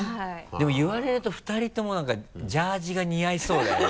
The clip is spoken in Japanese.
でも言われると２人ともなんかジャージが似合いそうだよね。